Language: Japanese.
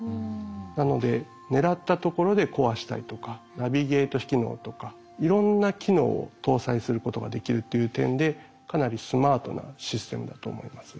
なので狙ったところで壊したりとかナビゲート機能とかいろんな機能を搭載することができるっていう点でかなりスマートなシステムだと思います。